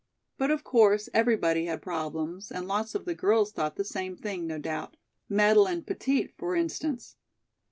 But, of course, everybody had problems and lots of the girls thought the same thing, no doubt, Madeleine Petit, for instance.